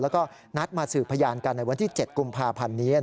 แล้วก็นัดมาสืบพยานกันในวันที่๗กุมภาพันธ์นี้